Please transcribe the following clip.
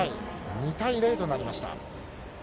２対０となりました。